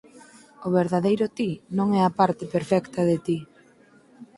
O verdadeiro ti non é a parte perfecta de ti.